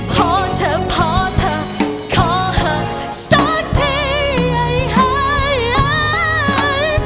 พอเธอพอเธอขอให้สักทีให้ให้